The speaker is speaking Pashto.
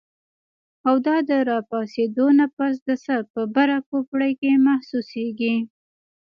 او دا د راپاسېدو نه پس د سر پۀ بره کوپړۍ کې محسوسيږي